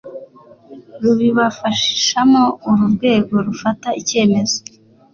rubibafashamo uru rwego rufata icyemezo